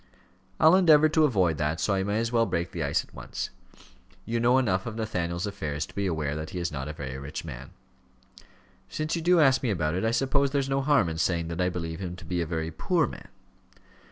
"I'll endeavour to avoid that, so I may as well break the ice at once. You know enough of Nathaniel's affairs to be aware that he is not a very rich man." "Since you do ask me about it, I suppose there's no harm in saying that I believe him to be a very poor man."